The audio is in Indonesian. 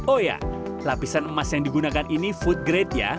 oh ya lapisan emas yang digunakan ini food grade ya